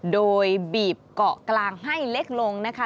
โดยบีบเกาะกลางให้เล็กลงนะคะ